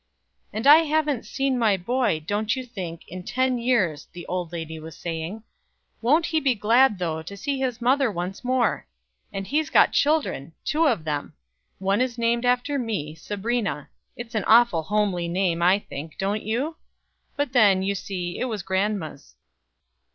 "And I haven't seen my boy, don't you think, in ten years," the old lady was saying. "Won't he be glad though, to see his mother once more? And he's got children two of them; one is named after me, Sabrina. It's an awful homely name, I think, don't you? But then, you see, it was grandma's."